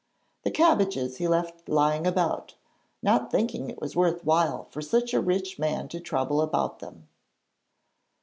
The cabbages he left lying about, not thinking it was worth while for such a rich man to trouble about them.